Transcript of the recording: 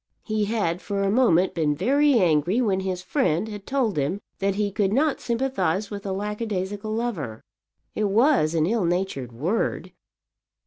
He had for a moment been very angry when his friend had told him that he could not sympathize with a lackadaisical lover. It was an ill natured word.